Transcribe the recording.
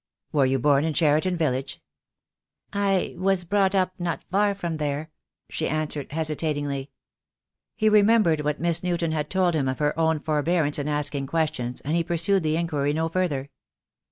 "Were you born in Cheriton village?" "I was brought up not far from there," she answered, hesitatingly. He remembered what Miss Newton had told him of her own forbearance in asking questions, and he pursued the inquiry no further.